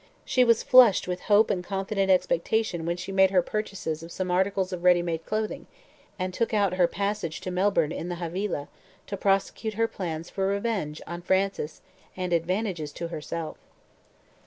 She was flushed with hope and confident expectation when she made her purchases of some articles of ready made clothing, and took out her passage in Melbourne in the 'Havilah,' to prosecute her plans for revenge on Francis and advantages to herself.